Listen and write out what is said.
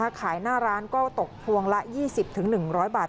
ขายหน้าร้านก็ตกพวงละ๒๐๑๐๐บาท